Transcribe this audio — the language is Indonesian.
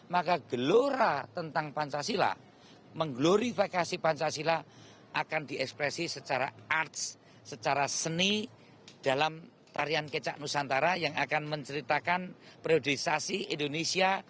maka gelora tentang pancasila mengglorifikasi pancasila akan diekspresi secara arts secara seni dalam tarian kecak nusantara yang akan menceritakan priorisasi indonesia